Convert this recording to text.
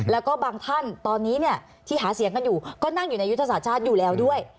แล้วก็บางท่านตอนนี้เนี่ยที่หาเสียงกันอยู่ก็นั่งอยู่ในยุทธศาสตร์ชาติอยู่แล้วด้วย